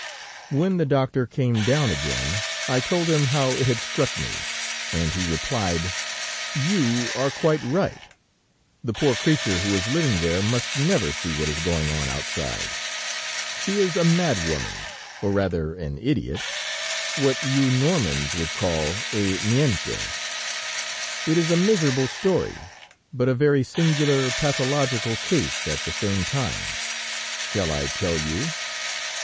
When the doctor came down again, I told him how it had struck me, and he replied: "You are quite right; the poor creature who is living there must never see what is going on outside. She is a mad woman, or rather an idiot, what you Normans would call a Niente. It is a miserable story, but a very singular pathological case at the same time. Shall I tell you?"